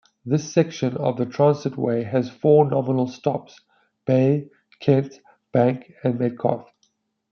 This section of the Transitway has four nominal stops: Bay, Kent, Bank and Metcalfe.